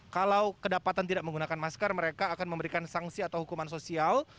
kalau kedapatan tidak menggunakan masker mereka akan memberikan sanksi atau hukuman sosial